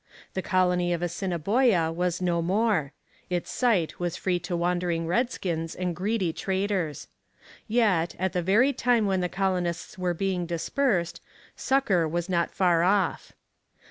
The colony of Assiniboia was no more; its site was free to wandering redskins and greedy traders. Yet, at the very time when the colonists were being dispersed, succour was not far off.